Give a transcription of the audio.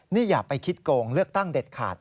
นี่อย่าไปคิดโกงเลือกตั้งเด็ดขาด